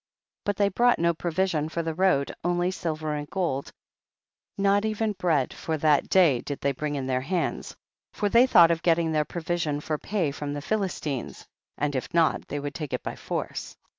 4. But they brought no provision for the road, only silver and gold, not even bread for that day did they bring in their hands, for they thought of getting their provision for pay from the Philistines, and if not they would take it by force.